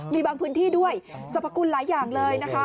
มีบางพื้นที่ด้วยสรรพคุณหลายอย่างเลยนะคะ